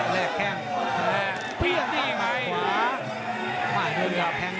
เรียกแข้ง